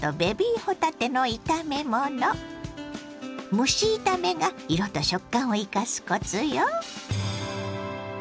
蒸し炒めが色と食感を生かすコツよ。